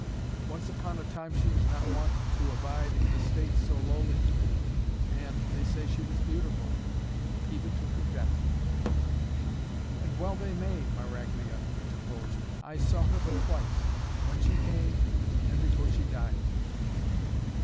Once upon a time she was not wont to abide in estate so lowly. And, they say, she was beautiful even to her death." "And well they may," Maraglia interposed. "I saw her but twice. When she came, and before she died."